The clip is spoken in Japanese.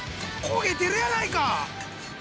焦げてるやないか！